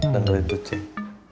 dengar itu ceng